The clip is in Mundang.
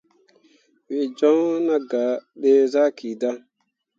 Wǝ joŋ nah gah dǝ zaki dan.